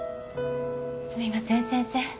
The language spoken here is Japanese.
すみません先生